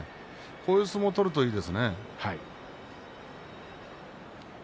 こういう相撲を取るといいですね。